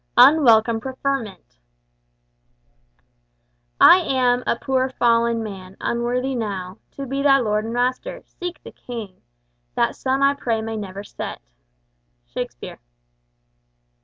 UNWELCOME PREFERMENT "I am a poor fallen man, unworthy now To be thy lord and master. Seek the king! That sun I pray may never set." Shakespeare.